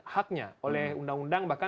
haknya oleh undang undang bahkan